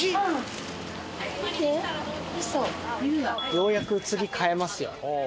ようやく次買えますよ。